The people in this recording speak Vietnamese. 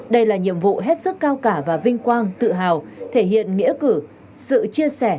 đây là nhiệm vụ hết sức cao cả và vinh quang tự hào thể hiện nghĩa cử sự chia sẻ